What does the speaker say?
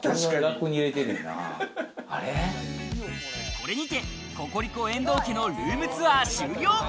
これにてココリコ・遠藤家のルームツアー終了。